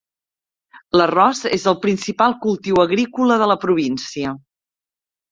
L'arròs és el principal cultiu agrícola de la província.